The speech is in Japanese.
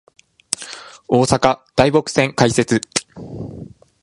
大阪・台北線開設